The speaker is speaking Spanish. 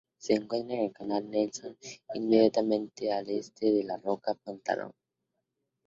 Se encuentra en el canal Nelson inmediatamente al este de la roca Pantalón.